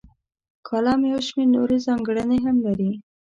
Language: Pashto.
کالم یو شمیر نورې ځانګړنې هم لري.